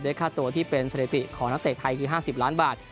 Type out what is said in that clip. ค่าตัวที่เป็นสถิติของนักเตะไทยคือ๕๐ล้านบาท